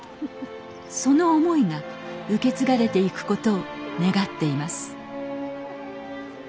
その思いが受け継がれていくことを願っています。